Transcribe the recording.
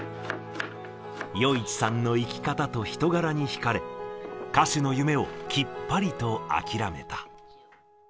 余一さんの生き方と人柄に引かれ、歌手の夢をきっぱりと諦めた。